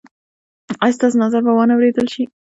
ایا ستاسو نظر به وا نه وریدل شي؟